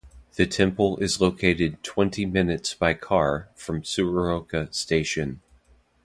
The temple is located twenty minutes by car from Tsuruoka Station.